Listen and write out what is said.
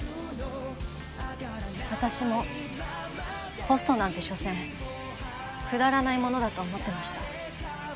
私もホストなんて所詮くだらないものだと思ってました